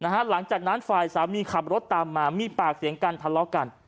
หลังจากนั้นฝ่ายสามีขับรถตามมามีปากเสียงกันทะเลาะกัน